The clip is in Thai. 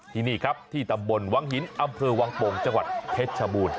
ที่นี่ครับที่ตำบลวังหินอำเภอวังโป่งจังหวัดเพชรชบูรณ